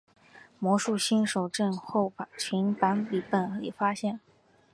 魔术新手症候群版本里发现。